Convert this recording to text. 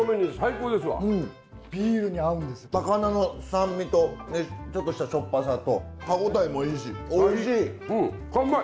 高菜の酸味とちょっとしたしょっぱさと歯応えもいいしおいしい。